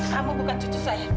kamu bukan cucu saya